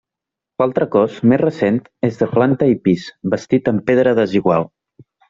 L'altre cos, més recent, és de planta i pis, bastit amb pedra desigual.